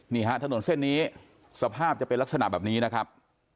นี่ฮะถนนเส้นนี้สภาพจะเป็นลักษณะแบบนี้นะครับ